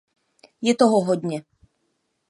Je toho hodně.